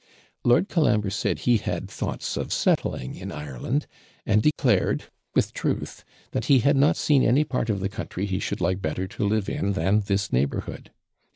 Lord Colambre said he had thoughts of settling in Ireland; and declared, with truth, that he had not seen any part of the country he should like better to live in than this neighbourhood.